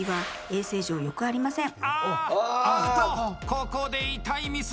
ここで痛いミス。